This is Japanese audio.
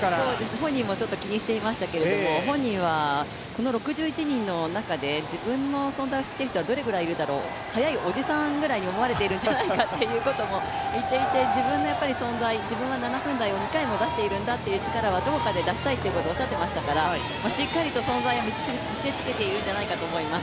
本人もちょっと気にしていましたけど、本人はこの６１人の中で自分の存在を知っている人はどれぐらいいるだろう、速いおじさんぐらいに思われているんじゃないかということも言っていて、自分の存在、自分は７分台を２回も出したっていう結果を示したいといっていましたからしっかりと存在を見せつけているんじゃないかと思います。